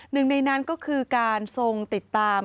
หนึ่งในนั้นก็คือการทรงติดตาม